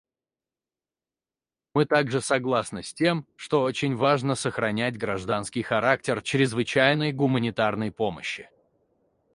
Мы также согласны с тем, что очень важно сохранять гражданский характер чрезвычайной гуманитарной помощи.